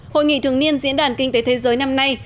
hội nghị thường niên diễn đàn kinh tế thế giới năm nay